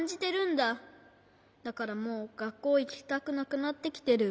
だからもうがっこういきたくなくなってきてる。